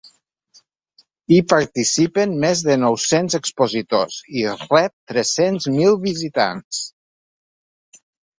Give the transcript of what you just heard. Hi participen més de nou-cents expositors i rep tres-cents mil visitants.